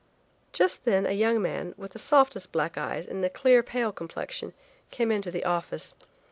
Just then a young man, with the softest black eyes and a clear pale complexion, came into the office.